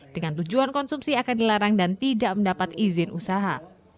dengan tujuan konsumsi akan dilarang dan tidak mendapat izin usaha